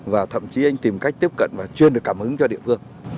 và thậm chí anh tìm cách tiếp cận và chuyên được cảm hứng cho địa phương